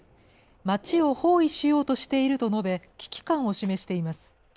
街を包囲しようとしていると述べ、危機感を示しています。